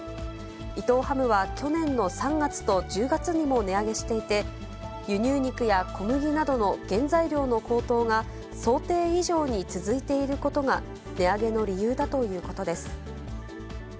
伊藤ハムは去年の３月と１０月にも値上げしていて、輸入肉や小麦などの原材料の高騰が、想定以上に続いていることが値上げの理由だということです。